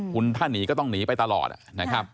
คุณถ้าหนีก็ต้องหนีไปตลอดนะครับ